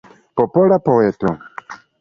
Popola poeto.